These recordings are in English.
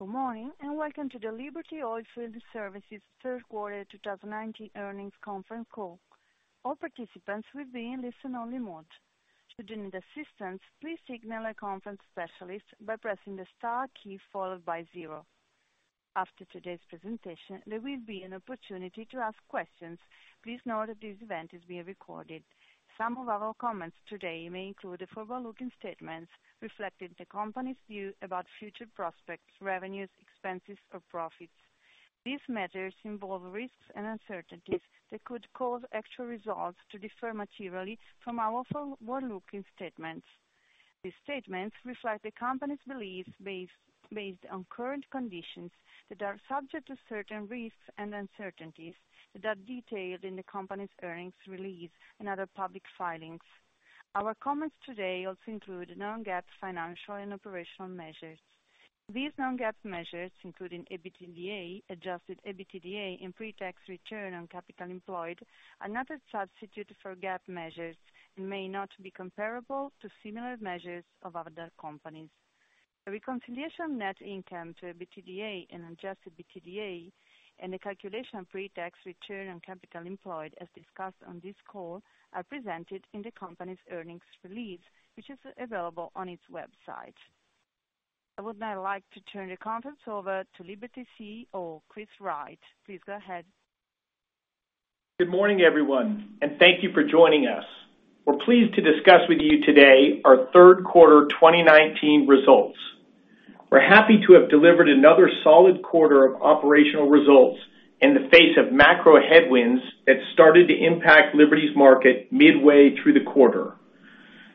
Good morning, welcome to the Liberty Oilfield Services third quarter 2019 earnings conference call. All participants will be in listen only mode. Should you need assistance, please signal a conference specialist by pressing the star key followed by zero. After today's presentation, there will be an opportunity to ask questions. Please note that this event is being recorded. Some of our comments today may include forward-looking statements reflecting the company's view about future prospects, revenues, expenses, or profits. These matters involve risks and uncertainties that could cause actual results to differ materially from our forward-looking statements. These statements reflect the company's beliefs based on current conditions that are subject to certain risks and uncertainties that are detailed in the company's earnings release and other public filings. Our comments today also include non-GAAP financial and operational measures. These non-GAAP measures, including EBITDA, adjusted EBITDA and pre-tax return on capital employed, are not a substitute for GAAP measures and may not be comparable to similar measures of other companies. A reconciliation of net income to EBITDA and adjusted EBITDA, and a calculation of pre-tax return on capital employed as discussed on this call are presented in the company's earnings release, which is available on its website. I would now like to turn the conference over to Liberty CEO, Chris Wright. Please go ahead. Good morning, everyone, and thank you for joining us. We're pleased to discuss with you today our third quarter 2019 results. We're happy to have delivered another solid quarter of operational results in the face of macro headwinds that started to impact Liberty's market midway through the quarter.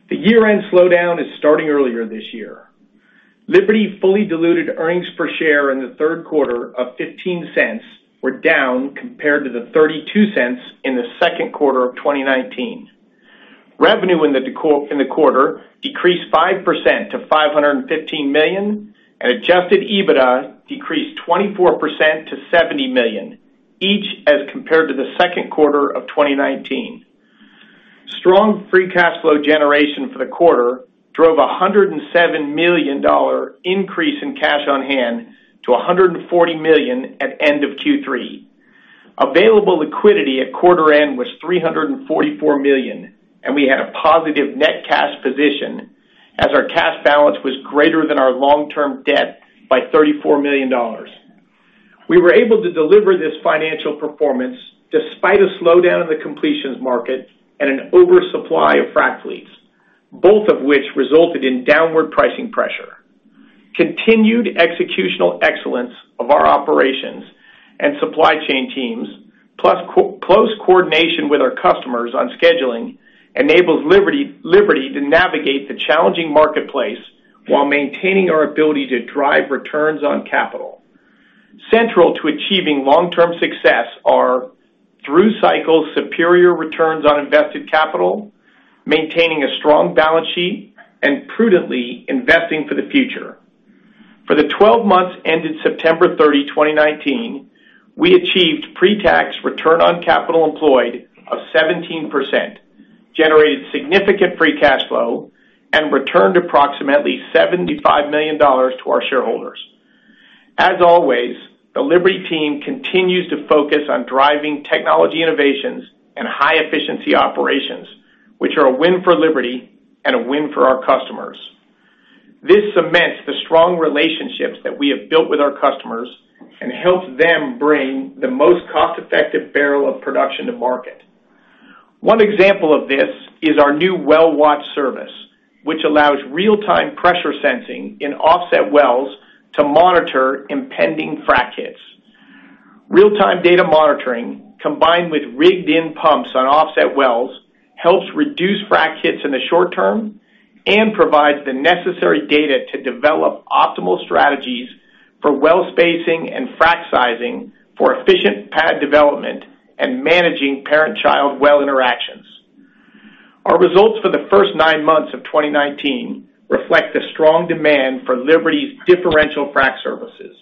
The year-end slowdown is starting earlier this year. Liberty fully diluted earnings per share in the third quarter of $0.15 were down compared to the $0.32 in the second quarter of 2019. Revenue in the quarter decreased 5% to $515 million, and adjusted EBITDA decreased 24% to $70 million, each as compared to the second quarter of 2019. Strong free cash flow generation for the quarter drove $107 million increase in cash on hand to $140 million at end of Q3. Available liquidity at quarter end was $344 million. We had a positive net cash position as our cash balance was greater than our long-term debt by $34 million. We were able to deliver this financial performance despite a slowdown in the completions market and an oversupply of frac fleets, both of which resulted in downward pricing pressure. Continued executional excellence of our operations and supply chain teams, plus close coordination with our customers on scheduling enables Liberty to navigate the challenging marketplace while maintaining our ability to drive returns on capital. Central to achieving long-term success are through cycle superior returns on invested capital, maintaining a strong balance sheet and prudently investing for the future. For the 12 months ended September 30, 2019, we achieved pre-tax return on capital employed of 17%, generated significant free cash flow, and returned approximately $75 million to our shareholders. As always, the Liberty team continues to focus on driving technology innovations and high efficiency operations, which are a win for Liberty and a win for our customers. This cements the strong relationships that we have built with our customers and helps them bring the most cost-effective barrel of production to market. One example of this is our new WellWatch service, which allows real-time pressure sensing in offset wells to monitor impending frac hits. Real-time data monitoring, combined with rigged in pumps on offset wells, helps reduce frac hits in the short term and provides the necessary data to develop optimal strategies for well spacing and frac sizing for efficient pad development and managing parent-child well interactions. Our results for the first nine months of 2019 reflect the strong demand for Liberty's differential frac services.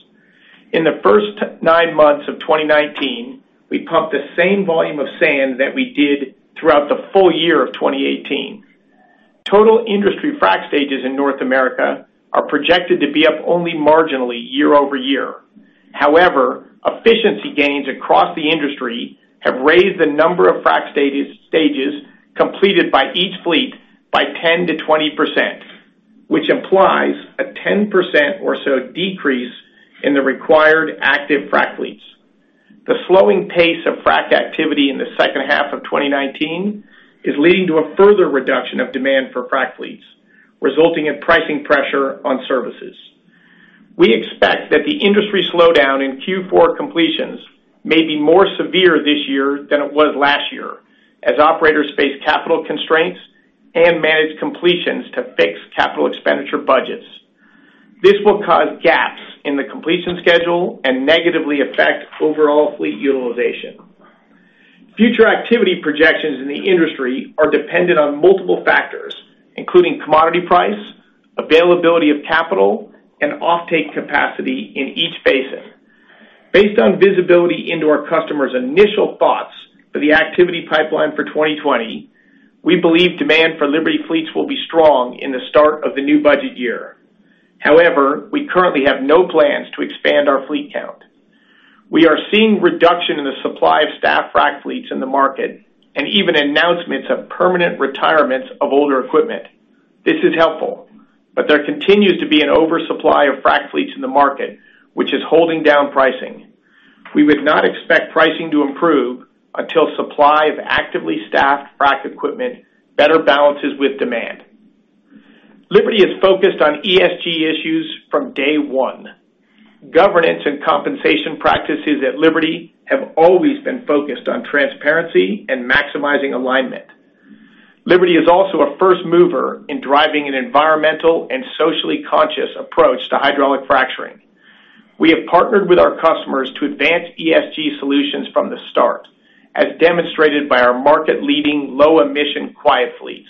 In the first nine months of 2019, we pumped the same volume of sand that we did throughout the full year of 2018. Total industry frac stages in North America are projected to be up only marginally year-over-year. However, efficiency gains across the industry have raised the number of frac stages completed by each fleet by 10%-20%, which implies a 10% or so decrease in the required active frac fleets. The slowing pace of frac activity in the second half of 2019 is leading to a further reduction of demand for frac fleets, resulting in pricing pressure on services. We expect that the industry slowdown in Q4 completions may be more severe this year than it was last year, as operators face capital constraints and manage completions to fix capital expenditure budgets. This will cause gaps in the completion schedule and negatively affect overall fleet utilization. Future activity projections in the industry are dependent on multiple factors, including commodity price, availability of capital, and offtake capacity in each basin. Based on visibility into our customers' initial thoughts for the activity pipeline for 2020, we believe demand for Liberty fleets will be strong in the start of the new budget year. We currently have no plans to expand our fleet count. We are seeing reduction in the supply of staff frac fleets in the market, and even announcements of permanent retirements of older equipment. This is helpful, there continues to be an oversupply of frac fleets in the market, which is holding down pricing. We would not expect pricing to improve until supply of actively staffed frac equipment better balances with demand. Liberty has focused on ESG issues from day one. Governance and compensation practices at Liberty have always been focused on transparency and maximizing alignment. Liberty is also a first mover in driving an environmental and socially conscious approach to hydraulic fracturing. We have partnered with our customers to advance ESG solutions from the start, as demonstrated by our market-leading low-emission quiet fleets.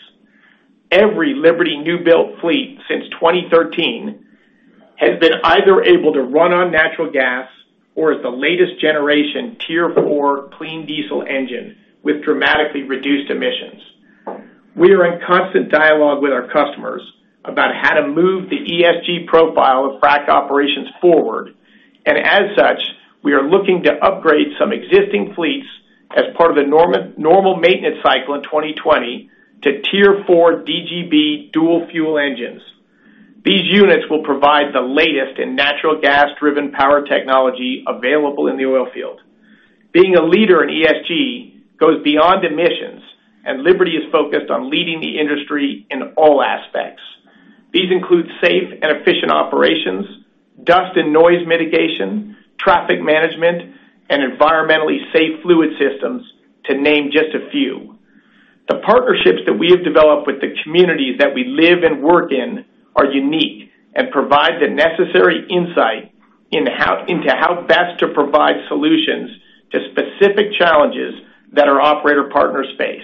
Every Liberty new-built fleet since 2013 has been either able to run on natural gas or is the latest generation Tier 4 clean diesel engine with dramatically reduced emissions. We are in constant dialogue with our customers about how to move the ESG profile of frac operations forward, as such, we are looking to upgrade some existing fleets as part of the normal maintenance cycle in 2020 to Tier 4 DGB dual fuel engines. These units will provide the latest in natural gas-driven power technology available in the oil field. Being a leader in ESG goes beyond emissions, Liberty is focused on leading the industry in all aspects. These include safe and efficient operations, dust and noise mitigation, traffic management, and environmentally safe fluid systems, to name just a few. The partnerships that we have developed with the communities that we live and work in are unique and provide the necessary insight into how best to provide solutions to specific challenges that our operator partners face.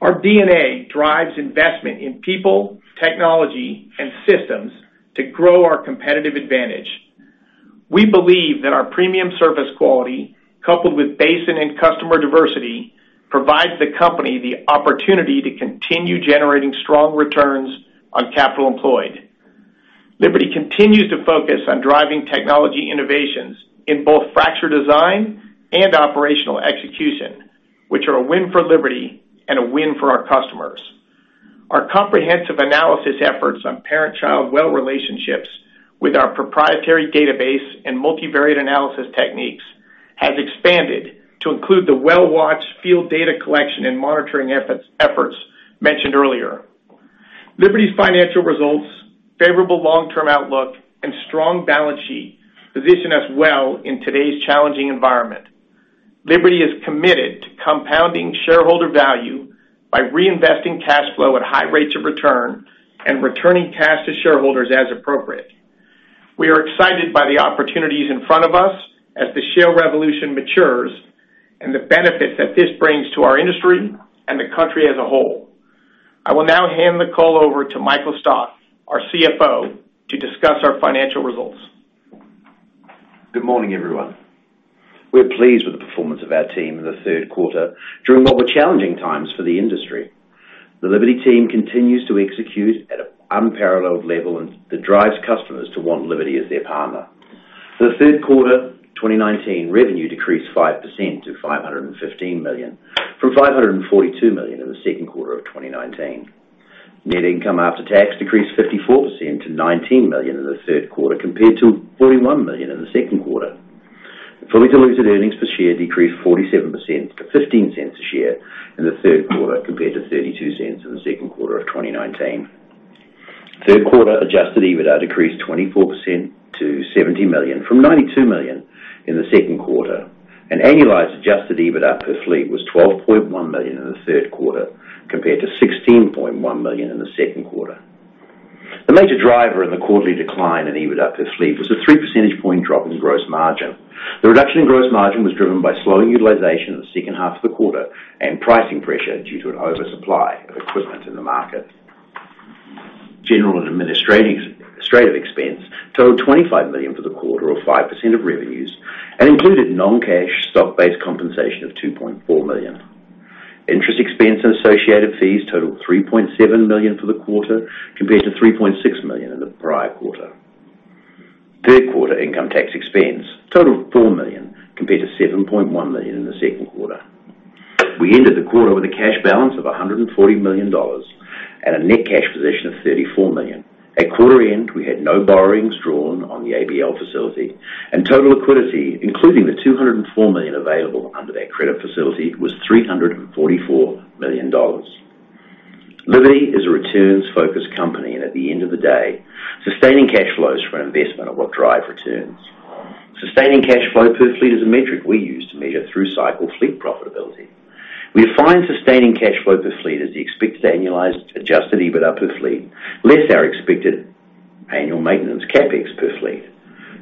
Our DNA drives investment in people, technology, and systems to grow our competitive advantage. We believe that our premium service quality, coupled with basin and customer diversity, provides the company the opportunity to continue generating strong returns on capital employed. Liberty continues to focus on driving technology innovations in both fracture design and operational execution, which are a win for Liberty and a win for our customers. Our comprehensive analysis efforts on parent-child well relationships with our proprietary database and multivariate analysis techniques has expanded to include the WellWatch field data collection and monitoring efforts mentioned earlier. Liberty's financial results, favorable long-term outlook, and strong balance sheet position us well in today's challenging environment. Liberty is committed to compounding shareholder value by reinvesting cash flow at high rates of return and returning cash to shareholders as appropriate. We are excited by the opportunities in front of us as the shale revolution matures and the benefits that this brings to our industry and the country as a whole. I will now hand the call over to Michael Stock, our CFO, to discuss our financial results. Good morning, everyone. We're pleased with the performance of our team in the third quarter during what were challenging times for the industry. The Liberty team continues to execute at an unparalleled level that drives customers to want Liberty as their partner. For the third quarter, 2019 revenue decreased 5% to $515 million from $542 million in the second quarter of 2019. Net income after tax decreased 54% to $19 million in the third quarter, compared to $41 million in the second quarter. Fully diluted earnings per share decreased 47% to $0.15 a share in the third quarter, compared to $0.32 in the second quarter of 2019. Third quarter adjusted EBITDA decreased 24% to $70 million from $92 million in the second quarter, and annualized adjusted EBITDA per crew was $12.1 million in the third quarter, compared to $16.1 million in the second quarter. The major driver in the quarterly decline in EBITDA per fleet was a three percentage point drop in gross margin. The reduction in gross margin was driven by slowing utilization in the second half of the quarter and pricing pressure due to an oversupply of equipment in the market. General and administrative expense totaled $25 million for the quarter, or 5% of revenues, and included non-cash stock-based compensation of $2.4 million. Interest expense and associated fees totaled $3.7 million for the quarter, compared to $3.6 million in the prior quarter. Third quarter income tax expense totaled $4 million, compared to $7.1 million in the second quarter. We ended the quarter with a cash balance of $140 million and a net cash position of $34 million. At quarter end, we had no borrowings drawn on the ABL facility, and total liquidity, including the $204 million available under that credit facility, was $344 million. Liberty is a returns-focused company, and at the end of the day, sustaining cash flows from investment are what drive returns. Sustaining cash flow per fleet is a metric we use to measure through cycle fleet profitability. We define sustaining cash flow per fleet as the expected annualized adjusted EBITDA per fleet, less our expected annual maintenance CapEx per fleet.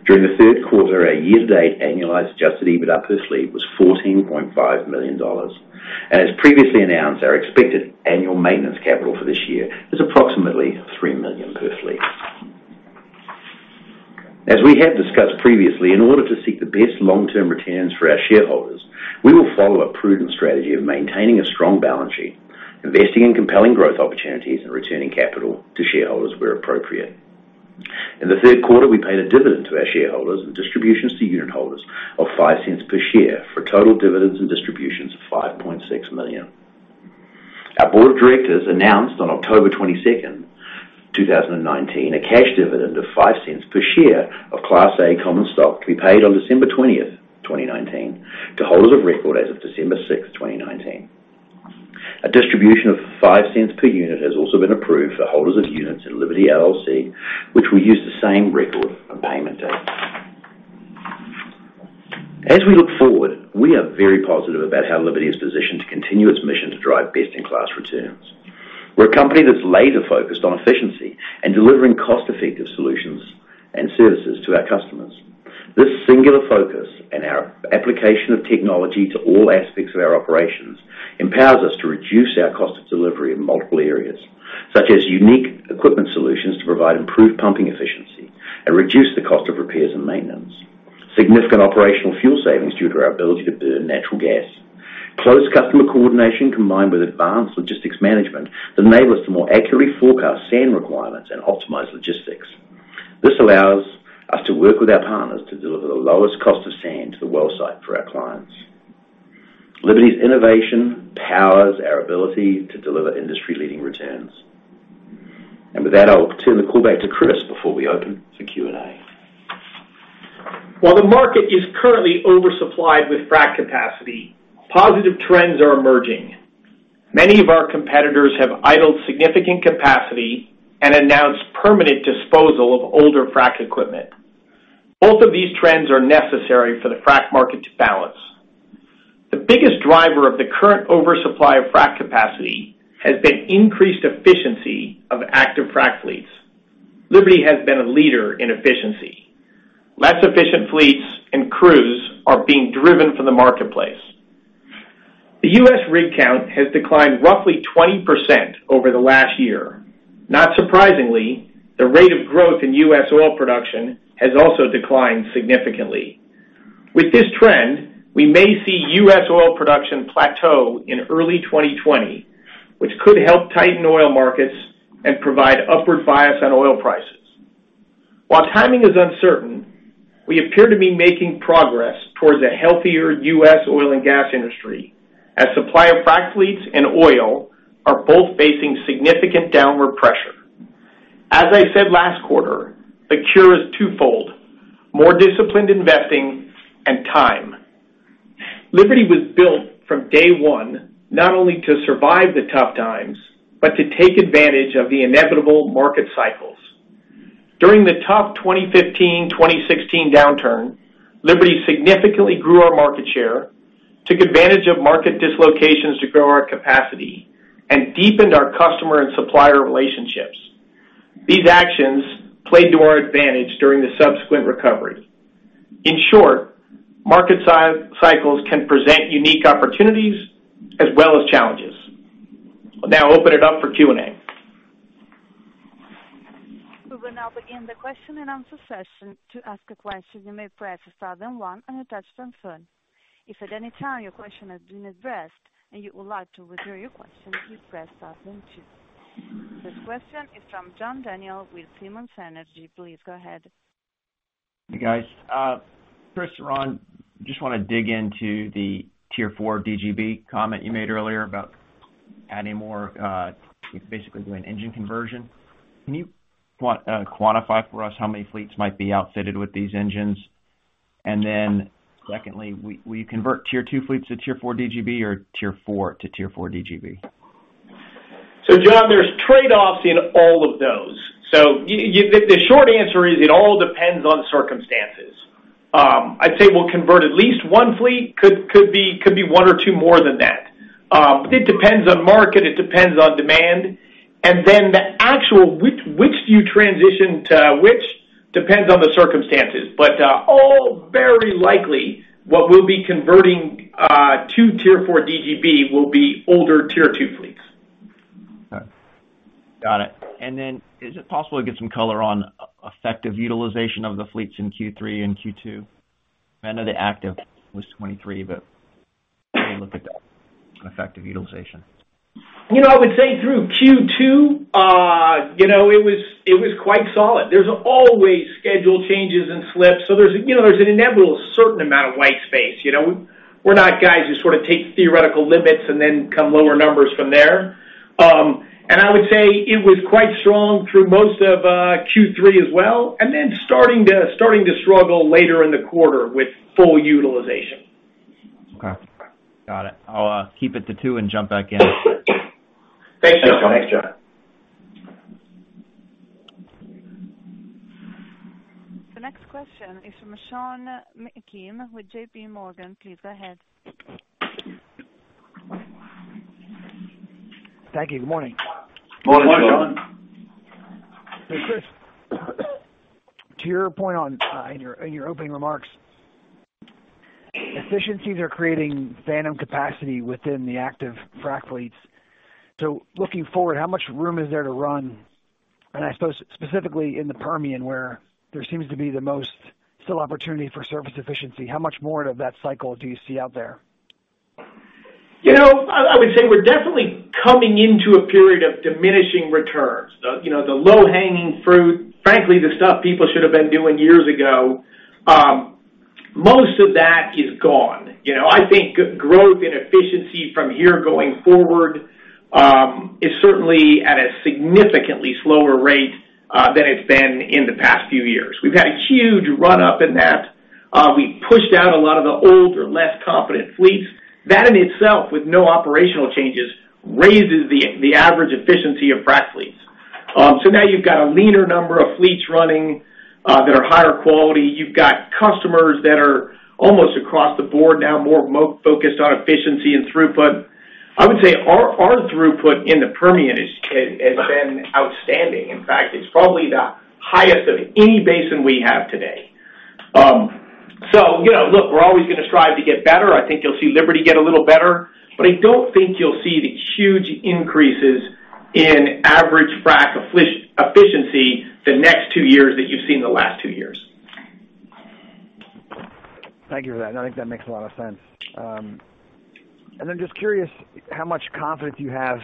During the third quarter, our year-to-date annualized adjusted EBITDA per fleet was $14.5 million. As previously announced, our expected annual maintenance capital for this year is approximately $3 million per fleet. As we have discussed previously, in order to seek the best long-term returns for our shareholders, we will follow a prudent strategy of maintaining a strong balance sheet, investing in compelling growth opportunities, and returning capital to shareholders where appropriate. In the 3rd quarter, we paid a dividend to our shareholders and distributions to unit holders of $0.05 per share for total dividends and distributions of $5.6 million. Our board of directors announced on October 22nd, 2019, a cash dividend of $0.05 per share of Class A common stock to be paid on December 20th, 2019, to holders of record as of December 6th, 2019. A distribution of $0.05 per unit has also been approved for holders of units in Liberty LLC, which will use the same record on payment date. As we look forward, we are very positive about how Liberty is positioned to continue its mission to drive best-in-class returns. We're a company that's laser-focused on efficiency and delivering cost-effective solutions and services to our customers. This singular focus and our application of technology to all aspects of our operations empowers us to reduce our cost of delivery in multiple areas, such as unique equipment solutions to provide improved pumping efficiency and reduce the cost of repairs and maintenance, significant operational fuel savings due to our ability to burn natural gas. Close customer coordination, combined with advanced logistics management, enable us to more accurately forecast sand requirements and optimize logistics. This allows us to work with our partners to deliver the lowest cost of sand to the well site for our clients. Liberty's innovation powers our ability to deliver industry-leading returns. With that, I'll turn the call back to Chris before we open for Q&A. While the market is currently oversupplied with frac capacity, positive trends are emerging. Many of our competitors have idled significant capacity and announced permanent disposal of older frac equipment. Both of these trends are necessary for the frac market to balance. The biggest driver of the current oversupply of frac capacity has been increased efficiency of active frac fleets. Liberty has been a leader in efficiency. Less efficient fleets and crews are being driven from the marketplace. The U.S. rig count has declined roughly 20% over the last year. Not surprisingly, the rate of growth in U.S. oil production has also declined significantly. With this trend, we may see U.S. oil production plateau in early 2020, which could help tighten oil markets and provide upward bias on oil prices. While timing is uncertain, we appear to be making progress towards a healthier U.S. oil and gas industry as supplier frac fleets and oil are both facing significant downward pressure. As I said last quarter, the cure is twofold: more disciplined investing and time. Liberty was built from day one not only to survive the tough times, but to take advantage of the inevitable market cycles. During the tough 2015-2016 downturn, Liberty significantly grew our market share, took advantage of market dislocations to grow our capacity, and deepened our customer and supplier relationships. These actions played to our advantage during the subsequent recovery. In short, market cycles can present unique opportunities as well as challenges. I'll now open it up for Q&A. We will now begin the question and answer session. To ask a question, you may press star then one on your touch-tone phone. If at any time your question has been addressed and you would like to withdraw your question, please press star then two. This question is from John Daniel with Simmons Energy. Please go ahead. Hey, guys. Chris, Ron, just want to dig into the Tier 4 DGB comment you made earlier about adding more, basically doing engine conversion. Can you quantify for us how many fleets might be outfitted with these engines? Secondly, will you convert Tier 4 DGB to Tier 4 DGB or Tier 4 to Tier 4 DGB? John, there's trade-offs in all of those. The short answer is it all depends on circumstances. I'd say we'll convert at least one fleet. Could be one or two more than that. It depends on market, it depends on demand. The actual which do you transition to which depends on the circumstances. All very likely what we'll be converting to Tier 4 DGB will be older Tier 4 DGB. Okay. Got it. Is it possible to get some color on effective utilization of the fleets in Q3 and Q2? I know the active was 23, but how do you look at the effective utilization? I would say through Q2, it was quite solid. There's always schedule changes and slips, so there's an inevitable certain amount of white space. We're not guys who sort of take theoretical limits and then come lower numbers from there. I would say it was quite strong through most of Q3 as well, and then starting to struggle later in the quarter with full utilization. Okay. Got it. I'll keep it to two and jump back in. Thanks, John. Thanks, John. The next question is from Sean Meakim with J.P. Morgan. Please go ahead. Thank you. Good morning. Morning. Morning, Sean. Hey, Chris, to your point in your opening remarks, efficiencies are creating phantom capacity within the active frac fleets. Looking forward, how much room is there to run? I suppose specifically in the Permian, where there seems to be the most still opportunity for service efficiency, how much more of that cycle do you see out there? I would say we're definitely coming into a period of diminishing returns. The low-hanging fruit, frankly, the stuff people should've been doing years ago, most of that is gone. I think growth and efficiency from here going forward is certainly at a significantly slower rate than it's been in the past few years. We've had a huge run up in that. We pushed out a lot of the older, less competent fleets. That in itself, with no operational changes, raises the average efficiency of frac fleets. Now you've got a leaner number of fleets running that are higher quality. You've got customers that are almost across the board now more focused on efficiency and throughput. I would say our throughput in the Permian has been outstanding. In fact, it's probably the highest of any basin we have today. Look, we're always going to strive to get better. I think you'll see Liberty get a little better, but I don't think you'll see the huge increases in average frac efficiency the next two years that you've seen in the last two years. Thank you for that, I think that makes a lot of sense. Then just curious how much confidence you have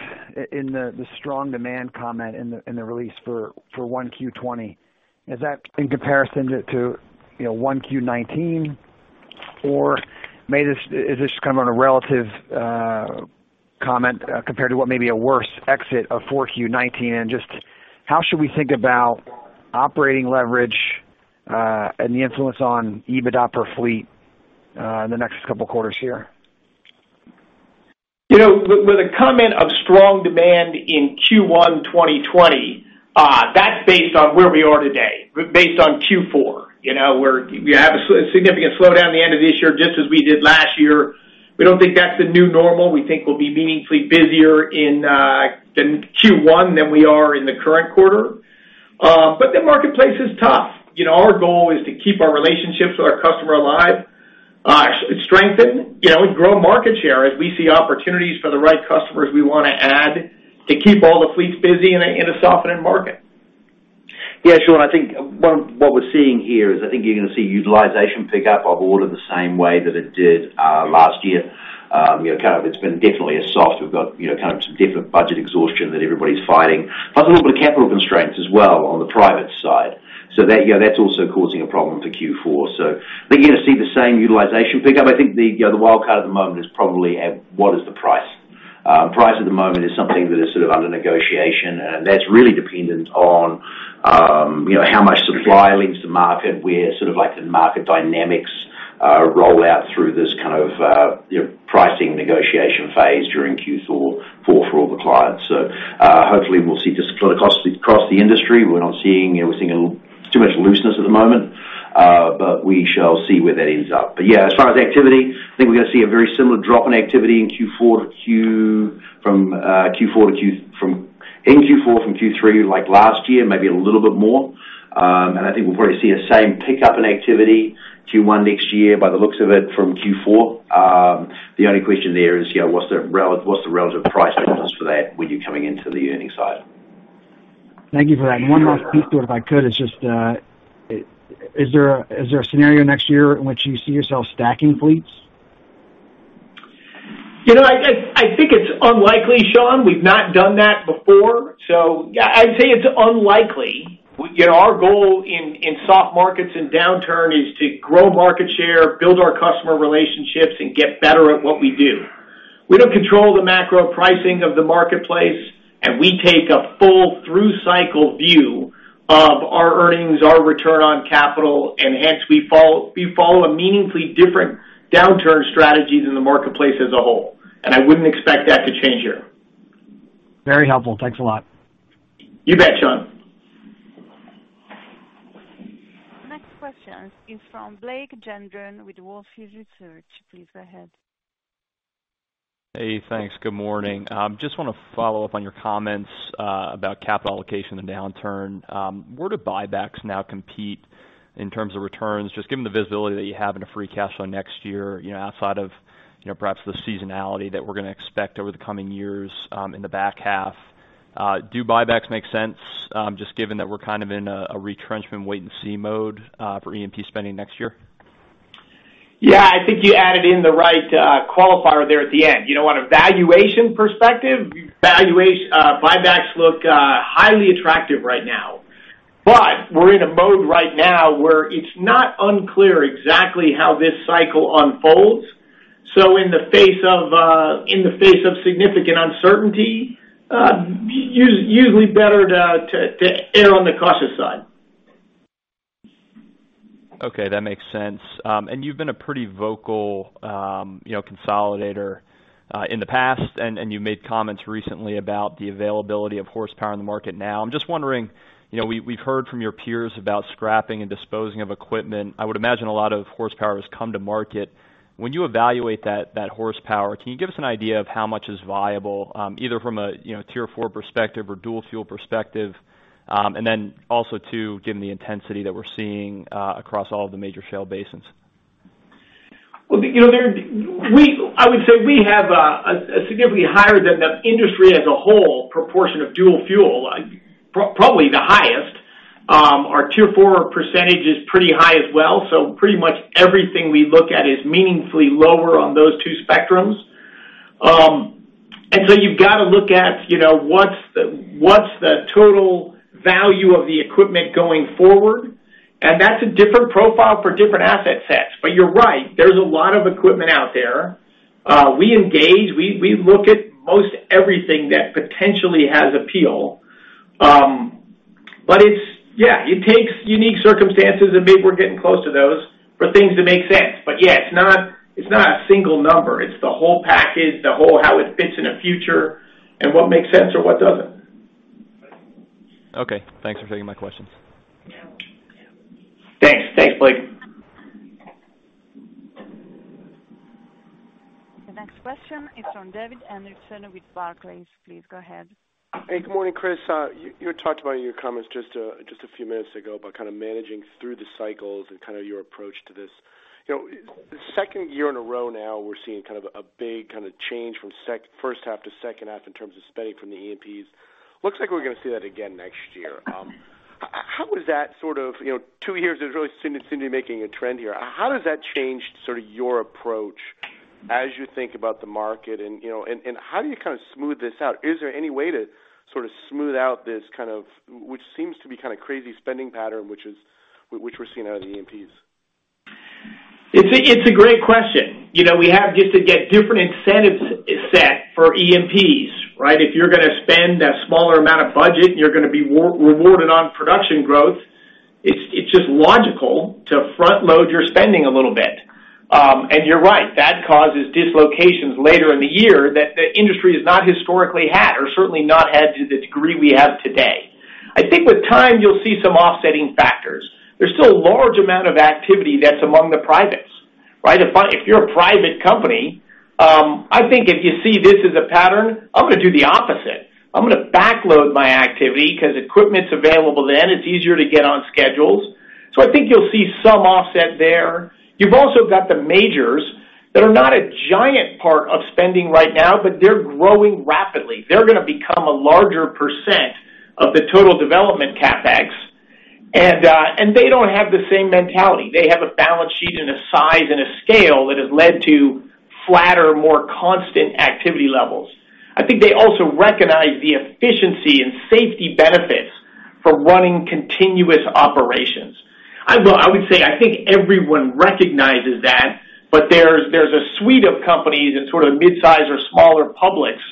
in the strong demand comment in the release for 1Q20. Is that in comparison to 1Q19? Is this just a relative comment compared to what may be a worse exit of 4Q19? Just how should we think about operating leverage, and the influence on EBITDA per crew in the next couple of quarters here? With a comment of strong demand in Q1 2020, that's based on where we are today, based on Q4, where we have a significant slowdown at the end of this year, just as we did last year. We don't think that's the new normal. We think we'll be meaningfully busier in Q1 than we are in the current quarter. The marketplace is tough. Our goal is to keep our relationships with our customer alive, strengthen, and grow market share. As we see opportunities for the right customers we want to add to keep all the fleets busy in a softening market. Yeah, Sean, I think what we're seeing here is I think you're going to see utilization pick up of order the same way that it did last year. It's been definitely a soft. We've got some different budget exhaustion that everybody's fighting. A little bit of capital constraints as well on the private side. That's also causing a problem for Q4. I think you're going to see the same utilization pick up. I think the wild card at the moment is probably what is the price? Price at the moment is something that is sort of under negotiation, and that's really dependent on how much supply leaves the market, where the market dynamics roll out through this pricing negotiation phase during Q4 for all the clients. Hopefully we'll see just across the industry, we're not seeing too much looseness at the moment. We shall see where that ends up. Yeah, as far as activity, I think we're going to see a very similar drop in activity in Q4 from Q3, like last year, maybe a little bit more. I think we'll probably see the same pickup in activity Q1 next year by the looks of it from Q4. The only question there is what's the relative price points for that when you're coming into the earnings side? Thank you for that. One last piece to it, if I could, is just, is there a scenario next year in which you see yourself stacking fleets? I think it's unlikely, Sean. I'd say it's unlikely. Our goal in soft markets and downturn is to grow market share, build our customer relationships, and get better at what we do. We don't control the macro pricing of the marketplace, and we take a full through-cycle view of our earnings, our return on capital, and hence we follow a meaningfully different downturn strategy than the marketplace as a whole. I wouldn't expect that to change here. Very helpful. Thanks a lot. You bet, Sean. Next question is from Blake Gendron with Wolfe Research. Please go ahead. Hey, thanks. Good morning. Just want to follow up on your comments about capital allocation and downturn. Where do buybacks now compete in terms of returns? Just given the visibility that you have in a free cash flow next year, outside of perhaps the seasonality that we're gonna expect over the coming years in the back half, do buybacks make sense, just given that we're in a retrenchment wait and see mode for E&P spending next year? Yeah, I think you added in the right qualifier there at the end. On a valuation perspective, buybacks look highly attractive right now. We're in a mode right now where it's not unclear exactly how this cycle unfolds. In the face of significant uncertainty, usually better to err on the cautious side. Okay, that makes sense. You've been a pretty vocal consolidator in the past, and you made comments recently about the availability of horsepower in the market now. I'm just wondering, we've heard from your peers about scrapping and disposing of equipment. I would imagine a lot of horsepower has come to market. When you evaluate that horsepower, can you give us an idea of how much is viable, either from a Tier 4 perspective or dual fuel perspective, and then also too, given the intensity that we're seeing across all of the major shale basins? Well, I would say we have a significantly higher than the industry as a whole proportion of dual fuel, probably the highest. Our Tier 4 percentage is pretty high as well, pretty much everything we look at is meaningfully lower on those two spectrums. You've got to look at what's the total value of the equipment going forward. That's a different profile for different asset sets. You're right, there's a lot of equipment out there. We engage. We look at most everything that potentially has appeal. It takes unique circumstances, and maybe we're getting close to those, for things to make sense. Yeah, it's not a single number. It's the whole package, the whole how it fits in a future and what makes sense or what doesn't. Okay. Thanks for taking my questions. Thanks, Blake. The next question is from David Anderson with Barclays. Please go ahead. Hey, good morning, Chris. You had talked about in your comments just a few minutes ago about kind of managing through the cycles and kind of your approach to this. The second year in a row now, we're seeing kind of a big change from first half to second half in terms of spending from the E&Ps. Looks like we're going to see that again next year. Two years, it really seem to be making a trend here. How has that changed sort of your approach as you think about the market, and how do you kind of smooth this out? Is there any way to sort of smooth out this kind of, which seems to be kind of crazy spending pattern, which we're seeing out of the E&Ps? It's a great question. We have yet to get different incentives set for E&Ps, right? If you're going to spend a smaller amount of budget and you're going to be rewarded on production growth, it's just logical to front load your spending a little bit. You're right, that causes dislocations later in the year that the industry has not historically had, or certainly not had to the degree we have today. I think with time, you'll see some offsetting factors. There's still a large amount of activity that's among the privates, right? If you're a private company, I think if you see this as a pattern, I'm going to do the opposite. I'm going to backload my activity because equipment's available then. It's easier to get on schedules. I think you'll see some offset there. You've also got the majors that are not a giant part of spending right now, but they're growing rapidly. They're going to become a larger % of the total development CapEx. They don't have the same mentality. They have a balance sheet and a size and a scale that has led to flatter, more constant activity levels. I think they also recognize the efficiency and safety benefits for running continuous operations. I would say, I think everyone recognizes that, but there's a suite of companies and sort of midsize or smaller publics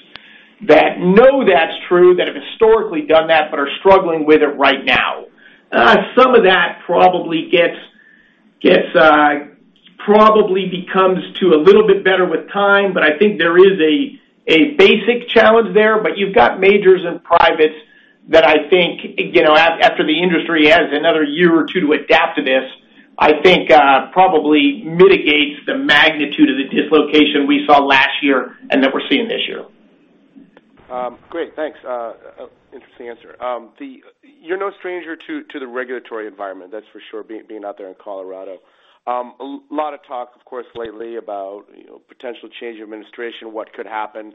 that know that's true, that have historically done that, but are struggling with it right now. Some of that probably becomes to a little bit better with time, but I think there is a basic challenge there. You've got majors and privates that I think, after the industry has another year or two to adapt to this, I think probably mitigates the magnitude of the dislocation we saw last year and that we're seeing this year. Great, thanks. Interesting answer. You're no stranger to the regulatory environment, that's for sure, being out there in Colorado. A lot of talk, of course, lately about potential change of administration, what could happen.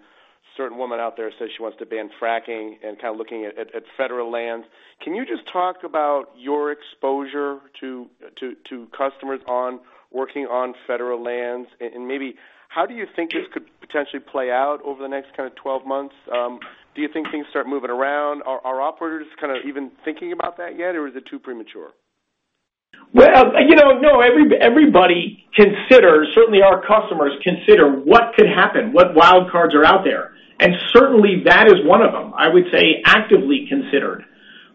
Certain woman out there says she wants to ban fracking and kind of looking at federal lands. Can you just talk about your exposure to customers on working on federal lands? Maybe how do you think this could potentially play out over the next kind of 12 months? Do you think things start moving around? Are operators kind of even thinking about that yet, or is it too premature? Well, everybody considers, certainly our customers consider what could happen, what wild cards are out there. Certainly that is one of them, I would say, actively considered.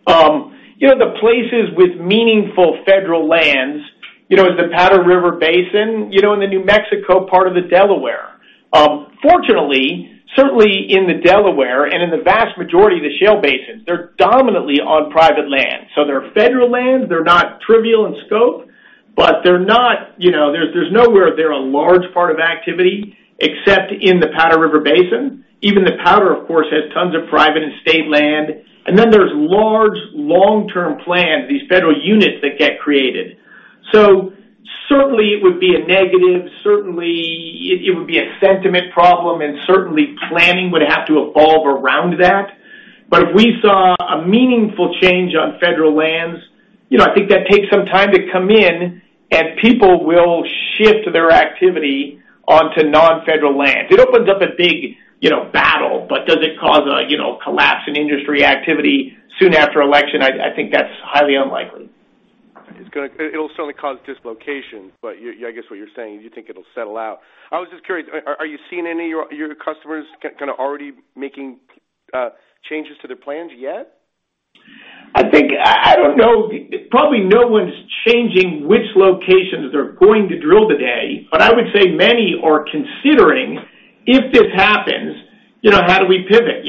The places with meaningful federal lands is the Powder River Basin, in the New Mexico part of the Delaware. Fortunately, certainly in the Delaware and in the vast majority of the shale basins, they're dominantly on private land. They're federal lands. They're not trivial in scope, but there's nowhere they're a large part of activity except in the Powder River Basin. Even the Powder, of course, has tons of private and state land. Then there's large long-term plans, these federal units that get created. Certainly it would be a negative, certainly it would be a sentiment problem, and certainly planning would have to evolve around that. If we saw a meaningful change on federal lands, I think that takes some time to come in, and people will shift their activity onto non-federal lands. It opens up a big battle, but does it cause a collapse in industry activity soon after election? I think that's highly unlikely. It'll certainly cause dislocation, but I guess what you're saying, you think it'll settle out. I was just curious, are you seeing any of your customers kind of already making? changes to their plans yet? I think, I don't know, probably no one's changing which locations they're going to drill today, I would say many are considering, if this happens, how do we pivot?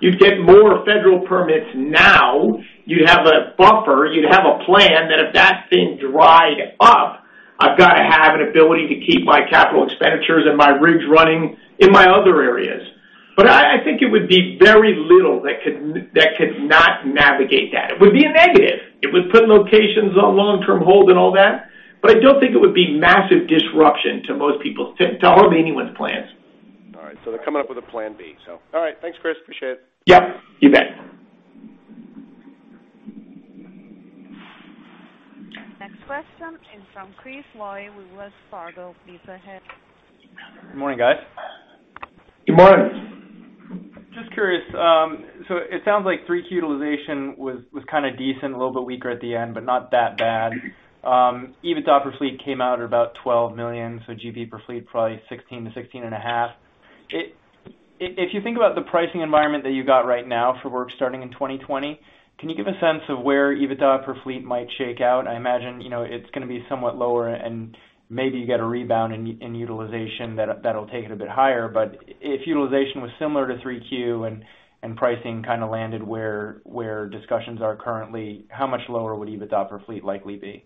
You'd get more federal permits now. You'd have a buffer. You'd have a plan that if that's been dried up, I've got to have an ability to keep my capital expenditures and my rigs running in my other areas. I think it would be very little that could not navigate that. It would be a negative. It would put locations on long-term hold and all that, but I don't think it would be massive disruption to most people's, to anyone's plans. All right. They're coming up with a plan B. All right. Thanks, Chris, appreciate it. Yep, you bet. Next question is from Chris Lloyd with Wells Fargo. Please go ahead. Good morning, guys. Good morning. Just curious. It sounds like 3Q utilization was kind of decent, a little bit weaker at the end, but not that bad. EBITDA per fleet came out at about $12 million. GP per fleet probably $16 million-$16.5 million. If you think about the pricing environment that you got right now for work starting in 2020, can you give a sense of where EBITDA per fleet might shake out? I imagine, it's going to be somewhat lower, and maybe you get a rebound in utilization that'll take it a bit higher. If utilization was similar to 3Q and pricing kind of landed where discussions are currently, how much lower would EBITDA per fleet likely be?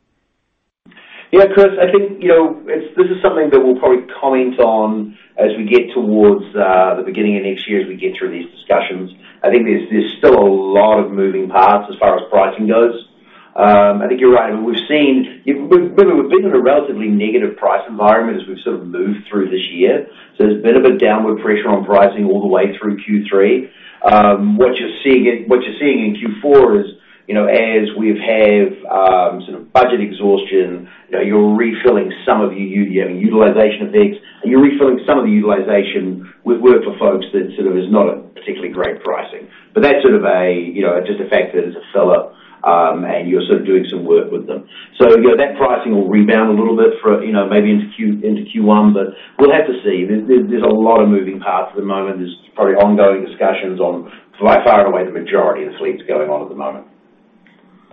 Yeah, Chris, I think, this is something that we'll probably comment on as we get towards the beginning of next year, as we get through these discussions. I think there's still a lot of moving parts as far as pricing goes. I think you're right. We've been in a relatively negative price environment as we've sort of moved through this year. There's a bit of a downward pressure on pricing all the way through Q3. What you're seeing in Q4 is, as we've had sort of budget exhaustion, you're refilling some of your utilization of things, and you're refilling some of the utilization with work for folks that is not a particularly great pricing. That's sort of just the fact that it's a fill-up, and you're sort of doing some work with them. That pricing will rebound a little bit maybe into Q1, but we'll have to see. There's a lot of moving parts at the moment. There's probably ongoing discussions on by far and away the majority of the fleet's going on at the moment.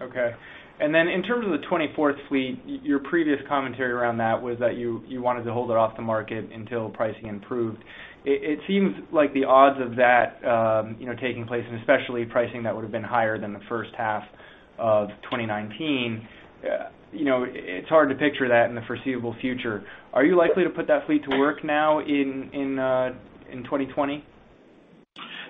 Okay. Then in terms of the 24 fleet, your previous commentary around that was that you wanted to hold it off the market until pricing improved. It seems like the odds of that taking place, and especially pricing that would've been higher than the first half of 2019, it's hard to picture that in the foreseeable future. Are you likely to put that fleet to work now in 2020?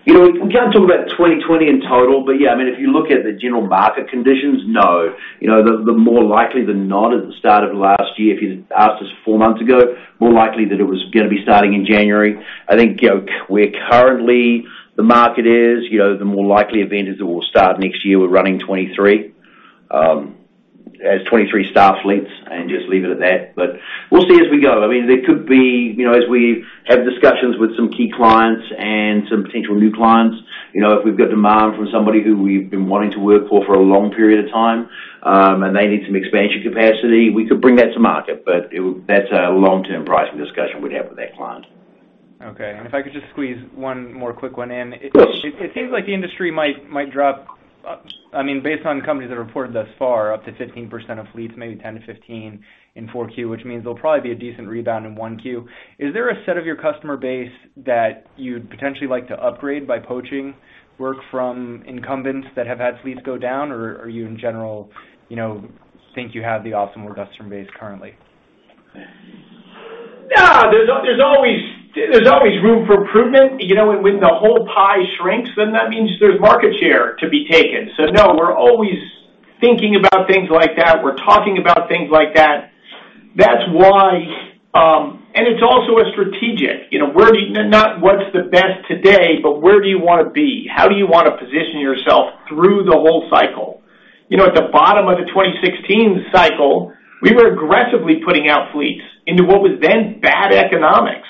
We can't talk about 2020 in total, but yeah, if you look at the general market conditions, no. The more likely than not at the start of last year, if you'd asked us four months ago, more likely that it was going to be starting in January. I think where currently the market is, the more likely event is that we'll start next year with running 23, as 23 staff fleets and just leave it at that. We'll see as we go. There could be, as we have discussions with some key clients and some potential new clients, if we've got demand from somebody who we've been wanting to work for a long period of time, and they need some expansion capacity, we could bring that to market. That's a long-term pricing discussion we'd have with that client. Okay. If I could just squeeze one more quick one in. Of course. It seems like the industry might drop, based on companies that have reported thus far, up to 15% of fleets, maybe 10-15 in 4Q, which means there'll probably be a decent rebound in 1Q. Is there a set of your customer base that you'd potentially like to upgrade by poaching work from incumbents that have had fleets go down? Are you, in general, think you have the optimal customer base currently? No, there's always room for improvement. When the whole pie shrinks, then that means there's market share to be taken. No, we're always thinking about things like that. We're talking about things like that. That's why. It's not what's the best today, but where do you want to be? How do you want to position yourself through the whole cycle? At the bottom of the 2016 cycle, we were aggressively putting out fleets into what was then bad economics.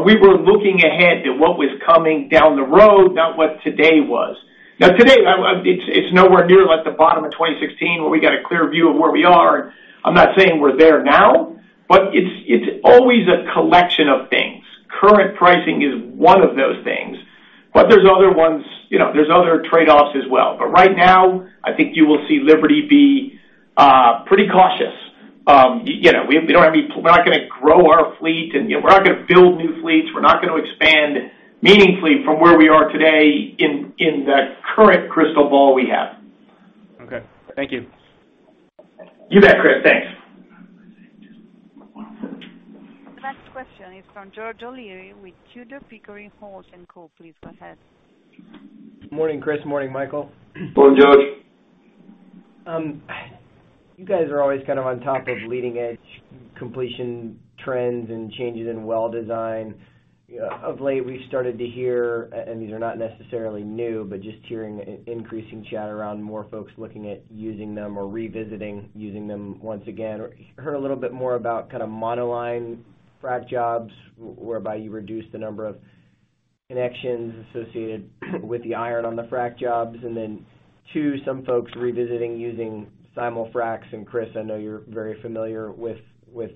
We were looking ahead to what was coming down the road, not what today was. Today, it's nowhere near like the bottom of 2016 where we got a clear view of where we are. I'm not saying we're there now, but it's always a collection of things. Current pricing is one of those things. There's other trade-offs as well. Right now, I think you will see Liberty be pretty cautious. We're not gonna grow our fleet, and we're not gonna build new fleets. We're not gonna expand meaningfully from where we are today in the current crystal ball we have. Okay. Thank you. You bet, Chris. Thanks. Next question is from George O'Leary with Tudor, Pickering, Holt & Co. Please go ahead. Morning, Chris. Morning, Michael. Morning, George. You guys are always kind of on top of leading edge completion trends and changes in well design. Of late, we've started to hear, and these are not necessarily new, but just hearing increasing chatter around more folks looking at using them or revisiting using them once again. Heard a little bit more about kind of monoline frac jobs, whereby you reduce the number of connections associated with the iron on the frac jobs, and then two, some folks revisiting using simul-fracs, and Chris, I know you're very familiar with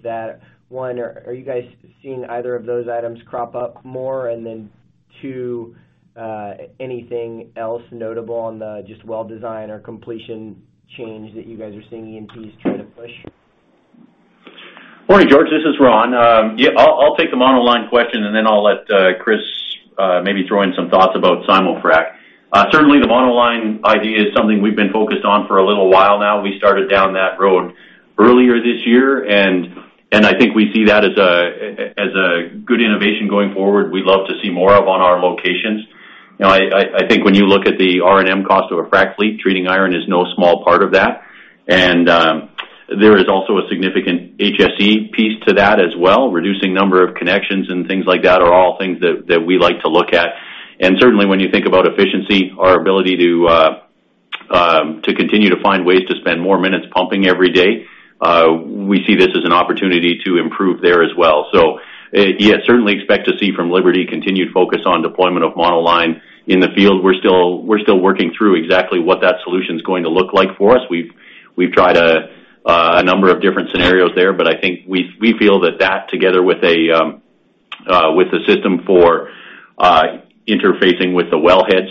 that one. Are you guys seeing either of those items crop up more? Two, anything else notable on the just well design or completion change that you guys are seeing E&Ps try to push? Morning, George. This is Ron. Yeah, I'll take the monoline question. Then I'll let Chris maybe throw in some thoughts about simul-frac. Certainly, the monoline idea is something we've been focused on for a little while now. We started down that road earlier this year. I think we see that as a good innovation going forward, we'd love to see more of on our locations. I think when you look at the R&M cost of a frac fleet, treating iron is no small part of that. There is also a significant HSE piece to that as well. Reducing number of connections and things like that are all things that we like to look at. Certainly, when you think about efficiency, our ability to continue to find ways to spend more minutes pumping every day, we see this as an opportunity to improve there as well. Yeah, certainly expect to see from Liberty continued focus on deployment of monoline in the field. We're still working through exactly what that solution's going to look like for us. We've tried a number of different scenarios there, but I think we feel that that together with a system for interfacing with the wellheads,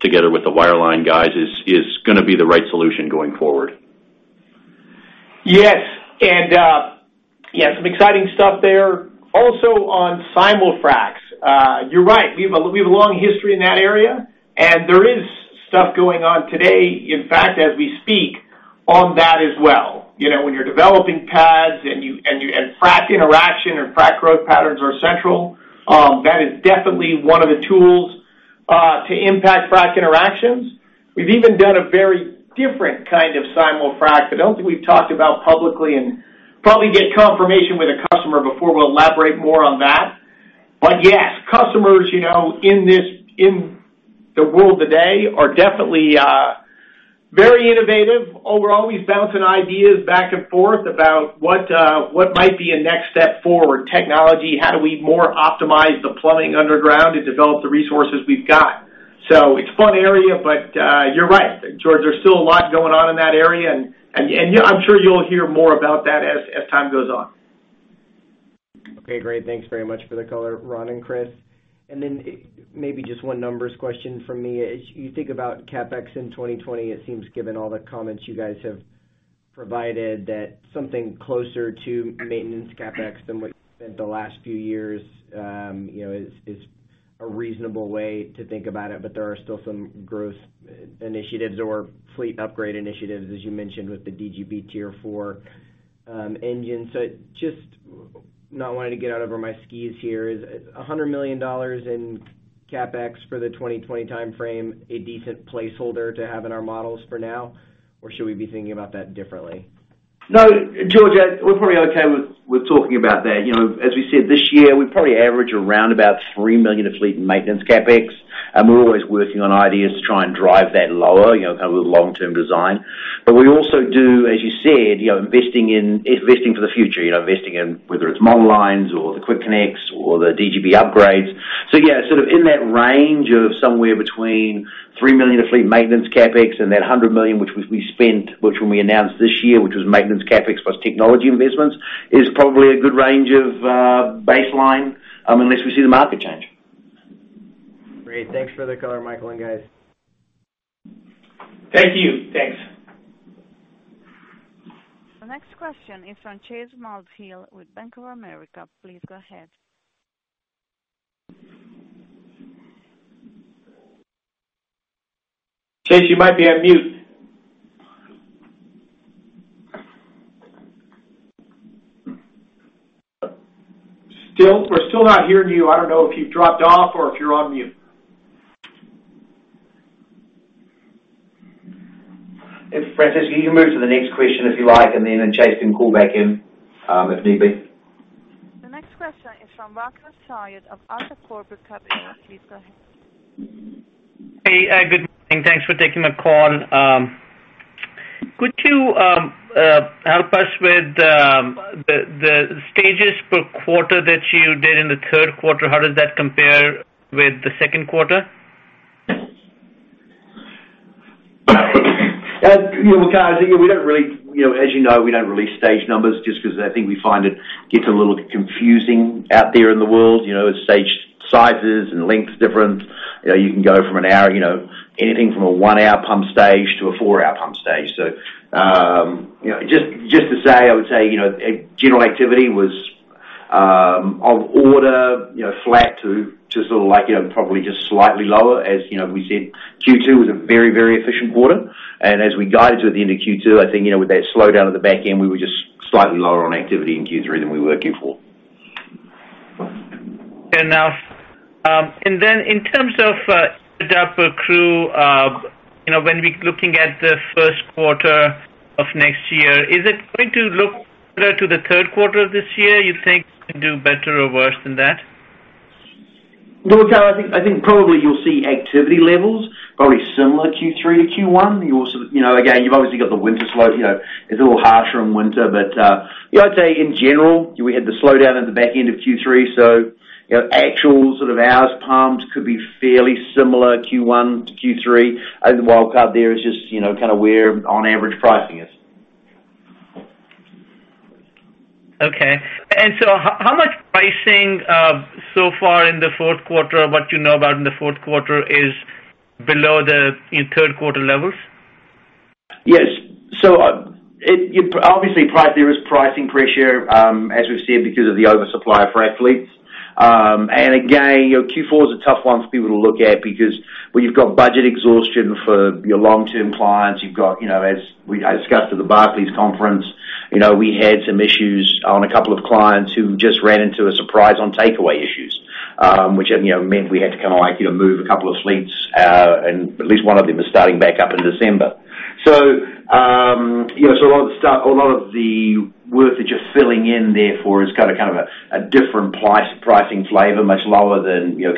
together with the wireline guys, is gonna be the right solution going forward. Yes. Yeah, some exciting stuff there. Also on simul-fracs. You're right, we have a long history in that area, and there is stuff going on today, in fact, as we speak, on that as well. When you're developing pads and frac interaction or frac growth patterns are central, that is definitely one of the tools to impact frac interactions. We've even done a very different kind of simul-frac, but I don't think we've talked about publicly, and probably get confirmation with a customer before we'll elaborate more on that. Yes, customers in the world today are definitely very innovative. We're always bouncing ideas back and forth about what might be a next step forward. Technology, how do we more optimize the plumbing underground to develop the resources we've got? It's a fun area, but you're right, George. There's still a lot going on in that area, and I'm sure you'll hear more about that as time goes on. Okay, great. Thanks very much for the color, Ron and Chris. Maybe just one numbers question from me. As you think about CapEx in 2020, it seems, given all the comments you guys have provided, that something closer to maintenance CapEx than what you spent the last few years is a reasonable way to think about it. There are still some growth initiatives or fleet upgrade initiatives, as you mentioned, with the DGB Tier 4 engines. Just not wanting to get out over my skis here is $100 million in CapEx for the 2020 timeframe a decent placeholder to have in our models for now, or should we be thinking about that differently? No, George, we're probably okay with talking about that. As we said this year, we probably average around about $3 million of fleet and maintenance CapEx, and we're always working on ideas to try and drive that lower, kind of with long-term design. We also do, as you said, investing for the future, investing in whether it's monolines or the quick connects or the DGB upgrades. Yeah, sort of in that range of somewhere between $3 million of fleet maintenance CapEx and that $100 million which we spent, which when we announced this year, which was maintenance CapEx plus technology investments, is probably a good range of baseline unless we see the market change. Great. Thanks for the color, Michael and guys. Thank you. Thanks. The next question is from Chase Mulvehill with Bank of America. Please go ahead. Chase, you might be on mute. We're still not hearing you. I don't know if you've dropped off or if you're on mute. Frances, you can move to the next question if you like, and then Chase can call back in if need be. The next question is from Waqar Syed of AltaCorp Capital. Please go ahead. Hey, good morning. Thanks for taking my call. Could you help us with the stages per quarter that you did in the third quarter? How does that compare with the second quarter? Waqar, as you know, we don't release stage numbers just because I think we find it gets a little confusing out there in the world. Stage sizes and lengths different. You can go anything from a one-hour pump stage to a four-hour pump stage. Just to say, I would say, general activity was of order flat to just probably just slightly lower. As we said, Q2 was a very, very efficient quarter. As we guided to at the end of Q2, I think with that slowdown at the back end, we were just slightly lower on activity in Q3 than we were Q4. Fair enough. In terms of the EBITDA per crew, when we looking at the first quarter of next year, is it going to look similar to the third quarter of this year, you think? Can it do better or worse than that? Waqar, I think probably you'll see activity levels probably similar Q3 to Q1. You've obviously got the winter slope. It's a little harsher in winter. I'd say in general, we had the slowdown at the back end of Q3. Actual hours pumped could be fairly similar Q1 to Q3. The wildcard there is just, where on average pricing is. Okay. How much pricing so far in the fourth quarter, what you know about in the fourth quarter is below the third-quarter levels? Yes. Obviously there is pricing pressure, as we've seen because of the oversupply of frac fleets. Again, Q4 is a tough one for people to look at because you've got budget exhaustion for your long-term clients. As we discussed at the Barclays conference, we had some issues on a couple of clients who just ran into a surprise on takeaway issues, which meant we had to move a couple of fleets, and at least one of them is starting back up in December. A lot of the work that you're filling in therefore is a different pricing flavor, much lower than your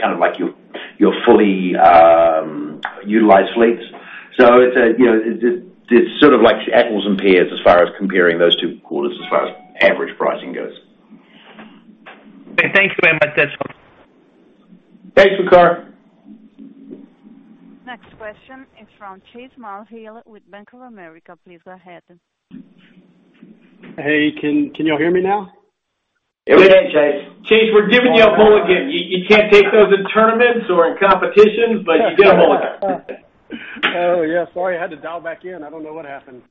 fully utilized fleets. It's like apples and pears as far as comparing those two quarters as far as average pricing goes. Okay. Thanks very much. That's all. Thanks, Waqar. Next question is from Chase Mulvehill with Bank of America. Please go ahead. Hey, can you all hear me now? Yeah, we can, Chase. Chase, we're giving you a hole again. You can't take those in tournaments or in competitions, you get a hole again. Yeah. Sorry, I had to dial back in. I don't know what happened.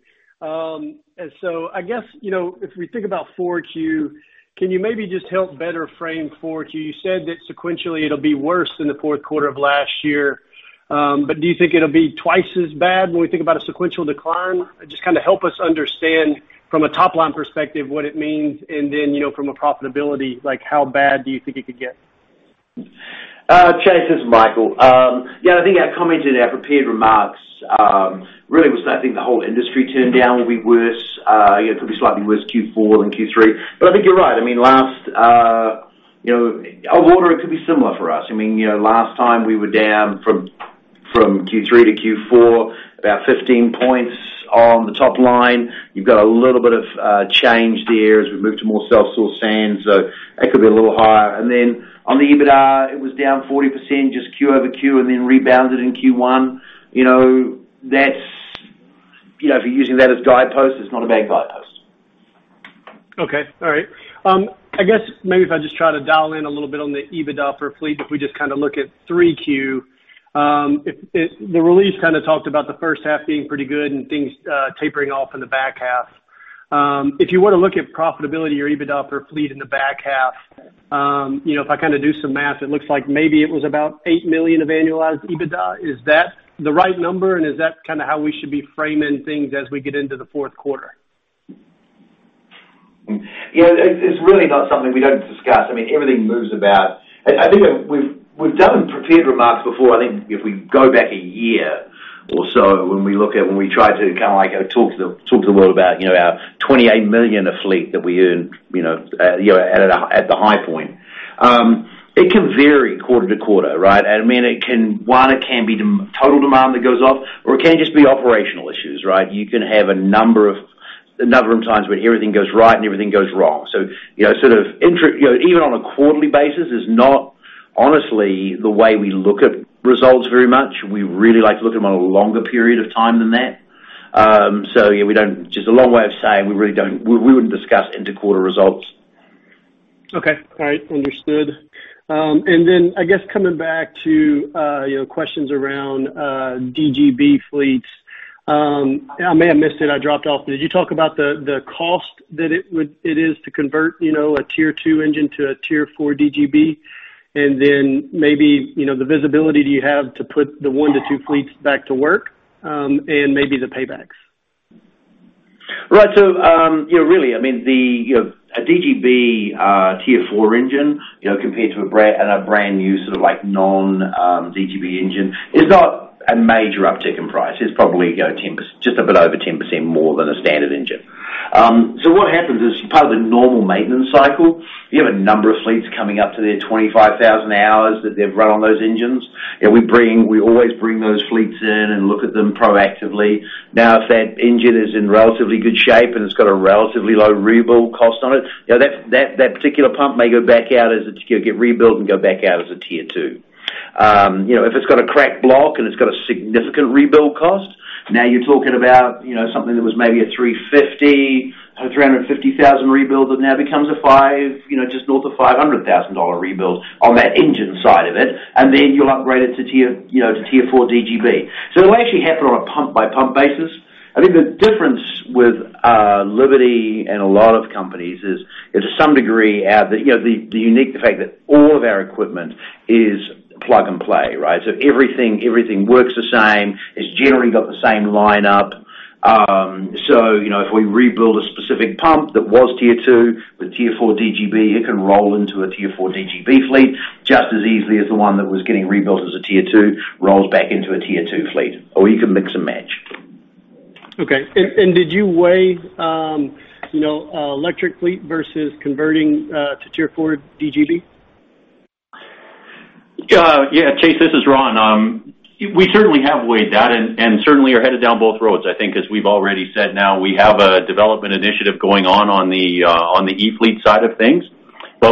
I guess, if we think about 4Q, can you maybe just help better frame 4Q? You said that sequentially it'll be worse than the fourth quarter of last year. Do you think it'll be twice as bad when we think about a sequential decline? Just help us understand from a top-line perspective what it means, and then, from a profitability, how bad do you think it could get? Chase, this is Michael. Yeah, I think I commented in our prepared remarks. Really was nothing, the whole industry turned down will be worse. It could be slightly worse Q4 than Q3. I think you're right. Our order, it could be similar for us. Last time we were down from Q3 to Q4, about 15 points on the top line. You've got a little bit of change there as we've moved to more self-source sands, that could be a little higher. On the EBITDA, it was down 40%, just quarter-over-quarter, and then rebounded in Q1. If you're using that as a guidepost, it's not a bad guidepost. Okay. All right. I guess maybe if I just try to dial in a little bit on the EBITDA per crew, if we just look at 3Q. The release talked about the first half being pretty good and things tapering off in the back half. If you were to look at profitability or EBITDA per crew in the back half, if I do some math, it looks like maybe it was about $8 million of annualized EBITDA. Is that the right number, and is that how we should be framing things as we get into the fourth quarter? Yeah. It's really not something we don't discuss. Everything moves about. I think we've done prepared remarks before. I think if we go back a year or so, when we try to talk to the world about our $28 million of fleet that we earn at the high point. It can vary quarter to quarter, right? One, it can be total demand that goes off, or it can just be operational issues, right? You can have a number of times when everything goes right and everything goes wrong. Even on a quarterly basis, is not honestly the way we look at results very much. We really like to look at them on a longer period of time than that. Yeah, just a long way of saying we wouldn't discuss inter-quarter results. Okay. All right. Understood. I guess coming back to questions around DGB fleets. I may have missed it, I dropped off. Did you talk about the cost that it is to convert a Tier 2 engine to a Tier 4 DGB? maybe, the visibility that you have to put the one to two fleets back to work, and maybe the paybacks. Right. Really, a DGB Tier 4 engine, compared to a brand-new non-DGB engine, is not a major uptick in price. It's probably just a bit over 10% more than a standard engine. What happens is, part of the normal maintenance cycle, you have a number of fleets coming up to their 25,000 hours that they've run on those engines. We always bring those fleets in and look at them proactively. Now, if that engine is in relatively good shape and it's got a relatively low rebuild cost on it, that particular pump may go back out as it's going to get rebuilt and go back out as a Tier 2. If it's got a cracked block and it's got a significant rebuild cost, now you're talking about something that was maybe a $350,000 rebuild that now becomes just north of $500,000 rebuild on that engine side of it. Then you'll upgrade it to Tier 4 DGB. It'll actually happen on a pump-by-pump basis. I think the difference with Liberty and a lot of companies is, to some degree, the unique fact that all of our equipment is plug and play, right? Everything works the same. It's generally got the same line up. If we rebuild a specific pump that was Tier 2 with Tier 4 DGB, it can roll into a Tier 4 DGB fleet just as easily as the one that was getting rebuilt as a Tier 2 rolls back into a Tier 2 fleet, or you can mix and match. Okay. Did you weigh electric fleet versus converting to Tier 4 DGB? Yeah, Chase, this is Ron. We certainly have weighed that and certainly are headed down both roads. I think as we've already said, now we have a development initiative going on the e-fleet side of things.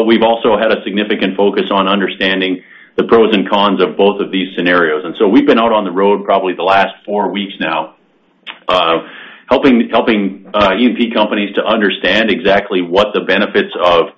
We've also had a significant focus on understanding the pros and cons of both of these scenarios. We've been out on the road probably the last four weeks now, helping E&P companies to understand exactly what the benefits of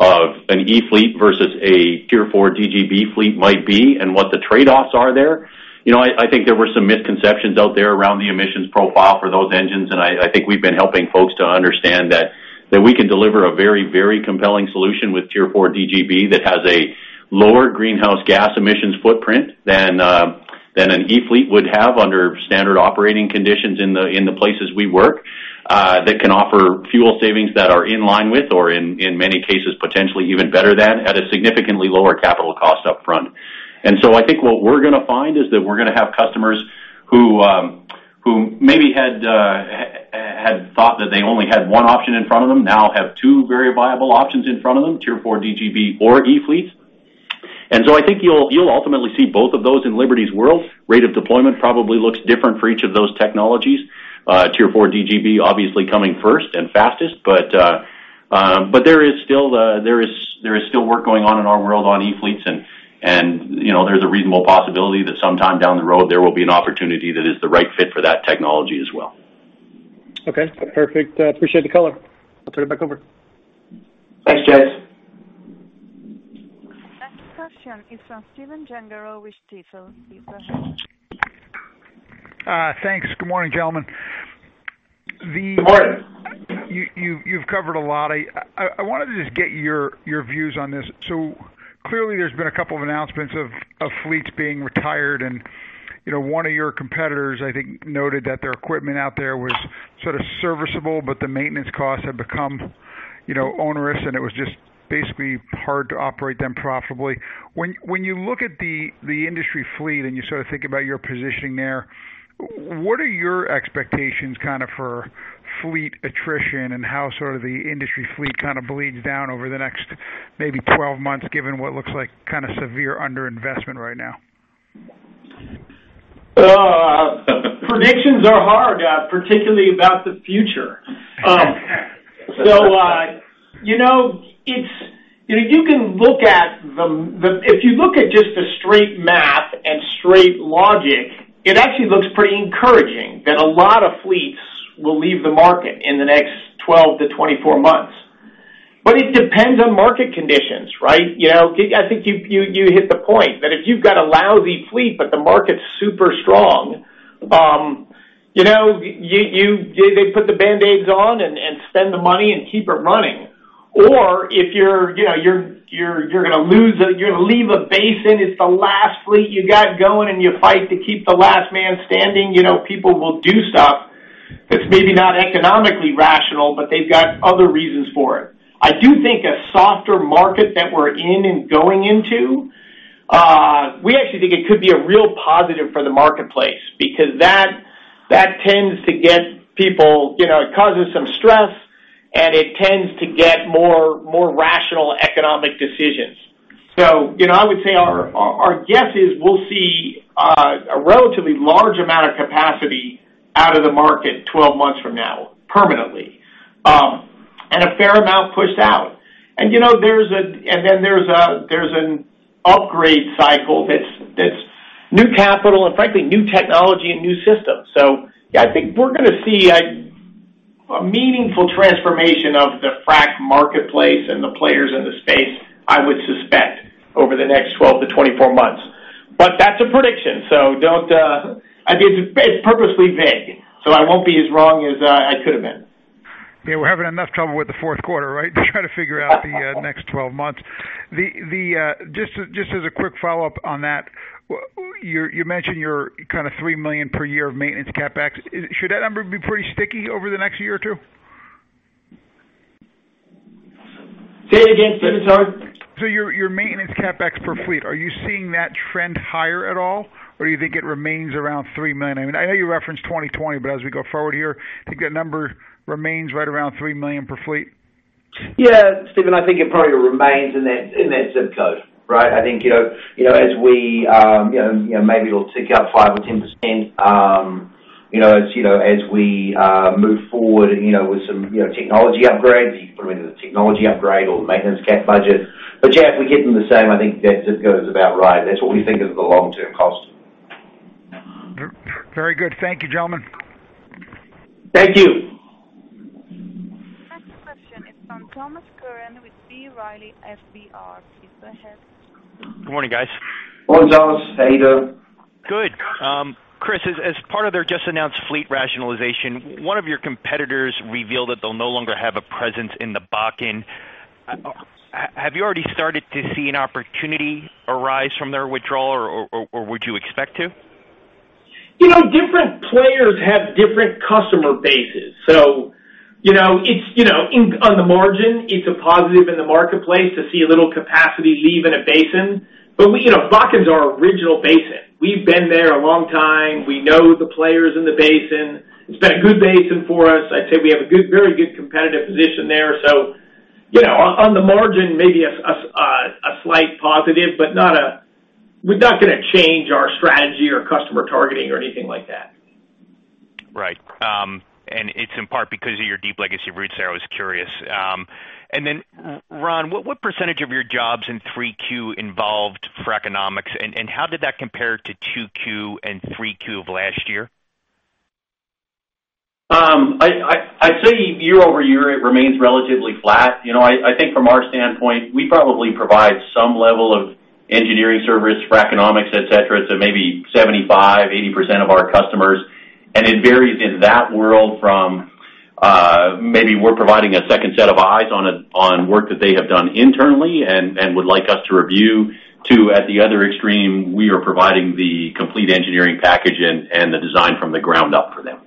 an e-fleet versus a Tier 4 DGB fleet might be and what the trade-offs are there. I think there were some misconceptions out there around the emissions profile for those engines, and I think we've been helping folks to understand that we can deliver a very compelling solution with Tier 4 DGB that has a lower greenhouse gas emissions footprint than an e-fleet would have under standard operating conditions in the places we work. That can offer fuel savings that are in line with, or in many cases, potentially even better than, at a significantly lower capital cost up front. I think what we're going to find is that we're going to have customers who maybe had thought that they only had one option in front of them, now have two very viable options in front of them, Tier 4 DGB or e-fleets. I think you'll ultimately see both of those in Liberty's world. Rate of deployment probably looks different for each of those technologies. Tier 4 DGB obviously coming first and fastest. There is still work going on in our world on e-fleets, and there's a reasonable possibility that sometime down the road, there will be an opportunity that is the right fit for that technology as well. Okay, perfect. I appreciate the color. I'll turn it back over. Thanks, Chase. Next question is from Stephen Gengaro with Stifel. Please go ahead. Thanks. Good morning, gentlemen. Good morning. You've covered a lot. I wanted to just get your views on this. Clearly there's been a couple of announcements of fleets being retired, and one of your competitors, I think, noted that their equipment out there was sort of serviceable, but the maintenance costs have become onerous, and it was just basically hard to operate them profitably. When you look at the industry fleet, and you sort of think about your positioning there, what are your expectations for fleet attrition and how the industry fleet kind of bleeds down over the next maybe 12 months, given what looks like severe under-investment right now? Predictions are hard, particularly about the future. If you look at just the straight math and straight logic, it actually looks pretty encouraging that a lot of fleets will leave the market in the next 12 to 24 months. It depends on market conditions, right? I think you hit the point that if you've got a lousy fleet, but the market's super strong, they put the band-aids on and spend the money and keep it running. If you're going to leave a basin, it's the last fleet you got going, and you fight to keep the last man standing, people will do stuff that's maybe not economically rational, but they've got other reasons for it. I do think a softer market that we're in and going into, we actually think it could be a real positive for the marketplace because that tends to get people it causes some stress, and it tends to get more rational economic decisions. I would say our guess is we'll see a relatively large amount of capacity out of the market 12 months from now, permanently. A fair amount pushed out. There's an upgrade cycle that's new capital and frankly, new technology and new systems. I think we're going to see a meaningful transformation of the frac marketplace and the players in the space, I would suspect, over the next 12-24 months. That's a prediction. It's purposely vague, I won't be as wrong as I could have been. Yeah, we're having enough trouble with the fourth quarter, right? To try to figure out the next 12 months. Just as a quick follow-up on that, you mentioned your kind of three million per year of maintenance CapEx. Should that number be pretty sticky over the next year or two? Say again, Stephen, sorry. Your maintenance CapEx per fleet, are you seeing that trend higher at all, or do you think it remains around $3 million? I know you referenced 2020, but as we go forward here, do you think that number remains right around $3 million per fleet? Stephen, I think it probably remains in that zip code, right? I think maybe it'll tick up five or 10% as we move forward with some technology upgrades. You can put it into the technology upgrade or maintenance CapEx budget. If we're getting the same, I think that zip code is about right. That's what we think is the long-term cost. Very good. Thank you, gentlemen. Thank you. Next question is from Thomas Curran with B. Riley FBR. Please go ahead. Good morning, guys. Morning, Thomas. How you doing? Good. Chris, as part of their just-announced fleet rationalization, one of your competitors revealed that they'll no longer have a presence in the Bakken. Have you already started to see an opportunity arise from their withdrawal, or would you expect to? Different players have different customer bases. On the margin, it's a positive in the marketplace to see a little capacity leave in a basin. Bakken's our original basin. We've been there a long time. We know the players in the basin. It's been a good basin for us. I'd say we have a very good competitive position there. On the margin, maybe a slight positive, but we're not going to change our strategy or customer targeting or anything like that. Right. It's in part because of your deep legacy roots there. I was curious. Ron, what % of your jobs in 3Q involved fraconomics, and how did that compare to 2Q and 3Q of last year? I'd say year-over-year, it remains relatively flat. I think from our standpoint, we probably provide some level of engineering service for economics, et cetera, to maybe 75%-80% of our customers. It varies in that world from maybe we're providing a second set of eyes on work that they have done internally and would like us to review, to, at the other extreme, we are providing the complete engineering package and the design from the ground up for them.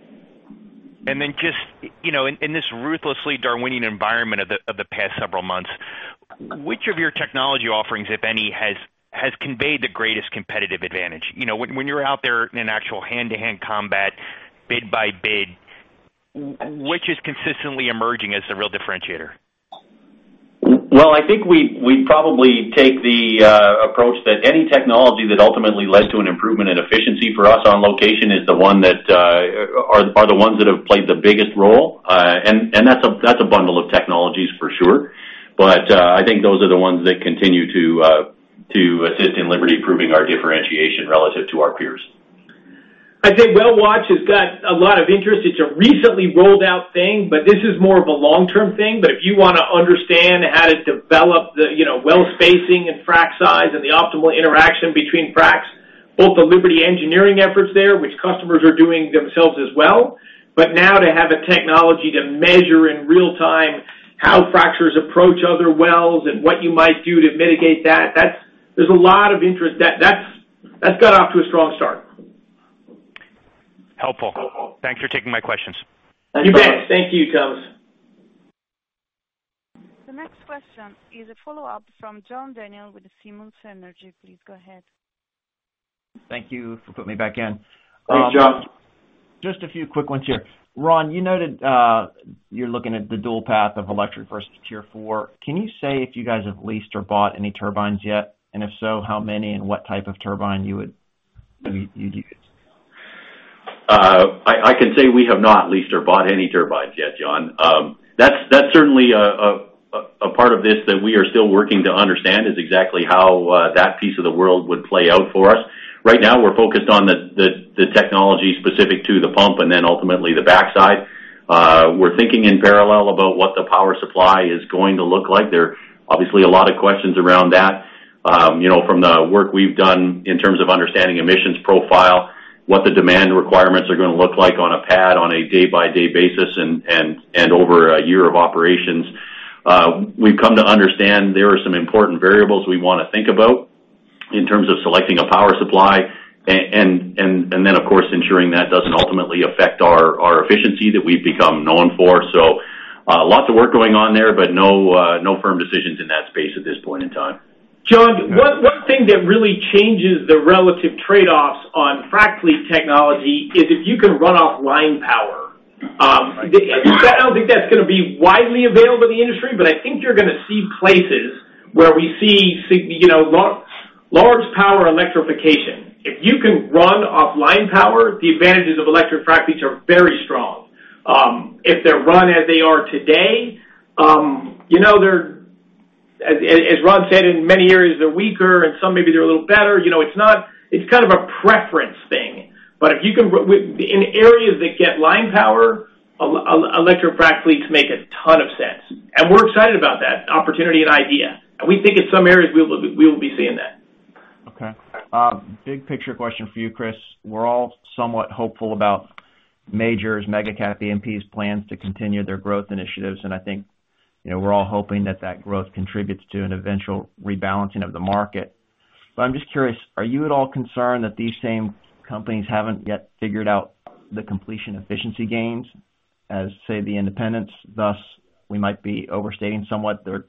Just in this ruthlessly Darwinian environment of the past several months, which of your technology offerings, if any, has conveyed the greatest competitive advantage? When you're out there in actual hand-to-hand combat, bid by bid, which is consistently emerging as the real differentiator? Well, I think we probably take the approach that any technology that ultimately led to an improvement in efficiency for us on location are the ones that have played the biggest role. That's a bundle of technologies for sure. I think those are the ones that continue to assist in Liberty proving our differentiation relative to our peers. I'd say WellWatch has got a lot of interest. It's a recently rolled out thing, but this is more of a long-term thing. If you want to understand how to develop the well spacing and frac size and the optimal interaction between fracs, both the Liberty engineering efforts there, which customers are doing themselves as well, but now to have a technology to measure in real time how fractures approach other wells and what you might do to mitigate that, there's a lot of interest. That's got off to a strong start. Helpful. Thanks for taking my questions. You bet. Thank you, Thomas. The next question is a follow-up from John Daniel with the Simmons Energy. Please go ahead. Thank you for putting me back in. Thanks, John. Just a few quick ones here. Ron, you noted you're looking at the dual path of electric versus Tier 4. Can you say if you guys have leased or bought any turbines yet? If so, how many and what type of turbine you would use? I can say we have not leased or bought any turbines yet, John. That's certainly a part of this that we are still working to understand is exactly how that piece of the world would play out for us. Right now, we're focused on the technology specific to the pump and then ultimately the backside. We're thinking in parallel about what the power supply is going to look like there. Obviously, a lot of questions around that. From the work we've done in terms of understanding emissions profile, what the demand requirements are going to look like on a pad on a day-by-day basis and over a year of operations, we've come to understand there are some important variables we want to think about in terms of selecting a power supply, and then, of course, ensuring that doesn't ultimately affect our efficiency that we've become known for. Lots of work going on there, but no firm decisions in that space at this point in time. John, one thing that really changes the relative trade-offs on frac fleet technology is if you can run off line power. I don't think that's going to be widely available to the industry, but I think you're going to see places where we see large power electrification. If you can run off line power, the advantages of electric frac fleets are very strong. If they're run as they are today, as Ron said, in many areas, they're weaker, and some maybe they're a little better. It's kind of a preference thing. In areas that get line power, electric frac fleets make a ton of sense. We're excited about that opportunity and idea. We think in some areas we will be seeing that. Okay. Big picture question for you, Chris. We're all somewhat hopeful about majors, mega cap E&Ps plans to continue their growth initiatives. I think we're all hoping that that growth contributes to an eventual rebalancing of the market. I'm just curious, are you at all concerned that these same companies haven't yet figured out the completion efficiency gains, as say the independents, thus we might be overstating somewhat the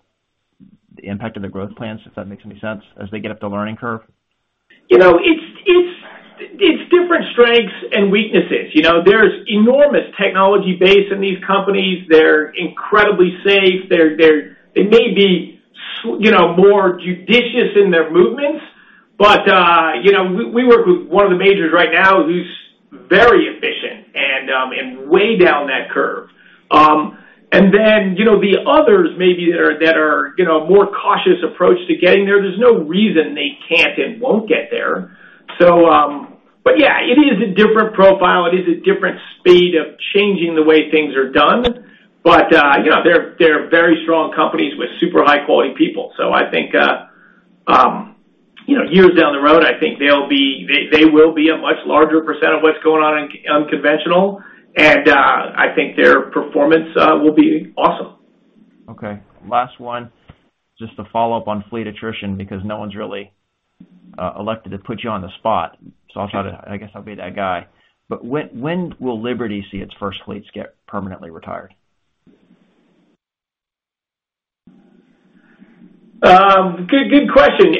impact of their growth plans, if that makes any sense, as they get up the learning curve? It's different strengths and weaknesses. There's enormous technology base in these companies. They're incredibly safe. They may be more judicious in their movements, but we work with one of the majors right now who's very efficient and way down that curve. The others maybe that are more cautious approach to getting there's no reason they can't and won't get there. Yeah, it is a different profile. It is a different speed of changing the way things are done. They're very strong companies with super high quality people. I think years down the road, I think they will be a much larger percent of what's going on in unconventional, and I think their performance will be awesome. Okay. Last one, just to follow up on fleet attrition, because no one's really elected to put you on the spot, so I guess I'll be that guy. When will Liberty see its first fleets get permanently retired? Good question.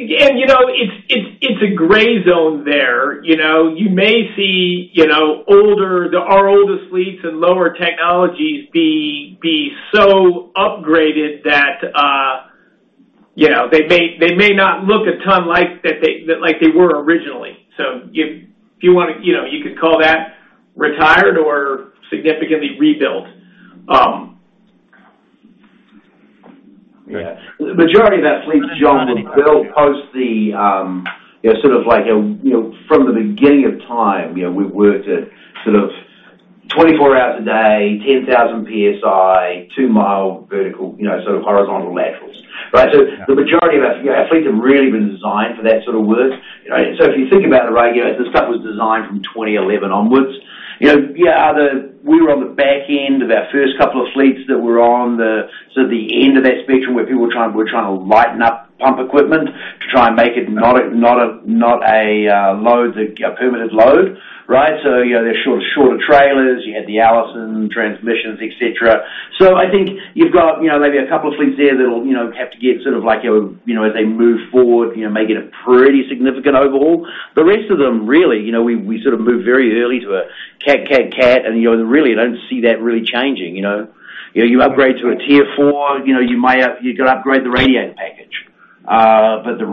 It's a gray zone there. You may see our oldest fleets and lower technologies be so upgraded that they may not look a ton like they were originally. You could call that retired or significantly rebuilt. Yeah. The majority of our fleets, John, were built post the, sort of like from the beginning of time, we worked at sort of 24 hours a day, 10,000 PSI, two-mile vertical, sort of horizontal laterals, right? The majority of our fleets have really been designed for that sort of work. If you think about the rig, this stuff was designed from 2011 onwards. We were on the back end of our first couple of fleets that were on the end of that spectrum where people were trying to lighten up pump equipment to try and make it not a permitted load, right? There are shorter trailers, you had the Allison Transmission, et cetera. I think you've got maybe a couple of fleets there that'll have to get, sort of like as they move forward, may get a pretty significant overhaul. The rest of them, really, we sort of moved very early to a Cat, Cat, and really, I don't see that really changing. You upgrade to a Tier 4, you've got to upgrade the radiator package. The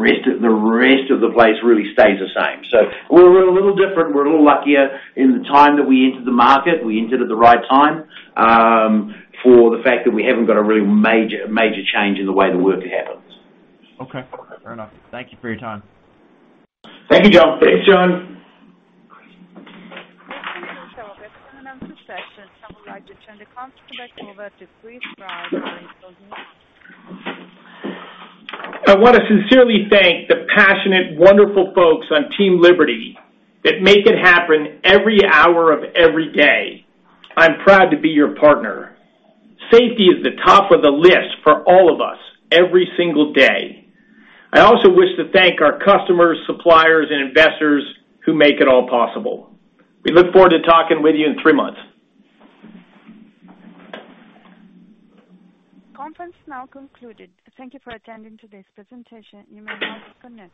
rest of the place really stays the same. We're a little different. We're a little luckier in the time that we entered the market. We entered at the right time, for the fact that we haven't got a real major change in the way the work happens. Okay. Fair enough. Thank you for your time. Thank you, John. Thanks, John. I want to sincerely thank the passionate, wonderful folks on Team Liberty that make it happen every hour of every day. I'm proud to be your partner. Safety is the top of the list for all of us every single day. I also wish to thank our customers, suppliers, and investors who make it all possible. We look forward to talking with you in three months. Conference now concluded. Thank you for attending today's presentation. You may now disconnect.